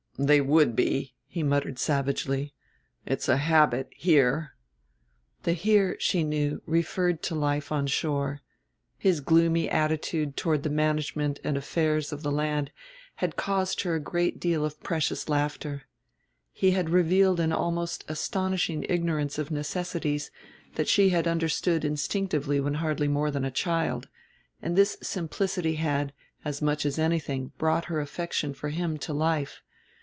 "They would be," he muttered savagely. "It's a habit ... here." The "here," she knew, referred to life on shore; his gloomy attitude toward the management and affairs of the land had caused her a great deal of precious laughter. He had revealed a most astonishing ignorance of necessities that she had understood instinctively when hardly more than a child; and this simplicity had, as much as anything, brought her affection for him to life.